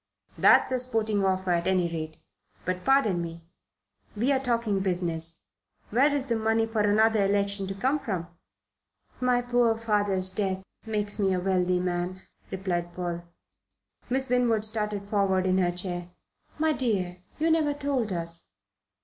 "That's a sporting offer, at any rate. But, pardon me we're talking business where is the money for another election to come from?" "My poor father's death makes me a wealthy man," replied Paul. Miss Winwood started forward in her chair. "My dear, you never told us."